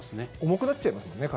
重くなっちゃいますもんね